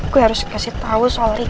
gue harus kasih tau soal ricky